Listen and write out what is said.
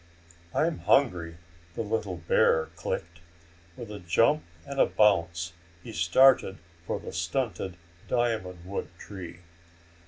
"I'm hungry," the little bear clicked. With a jump and a bounce he started for the stunted diamond wood tree.